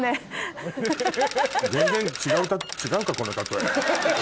全然違うかこの例え。